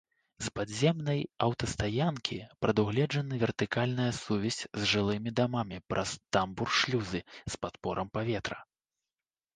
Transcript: З падземнай аўтастаянкі прадугледжана вертыкальная сувязь з жылымі дамамі праз тамбур-шлюзы з падпорам паветра.